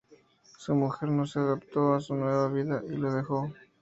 Su mujer no se adaptó a su nueva vida y lo dejó.